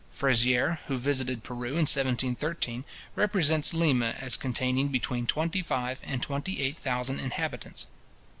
Frezier, who visited Peru in 1713, represents Lima as containing between twenty five and twenty eight thousand inhabitants.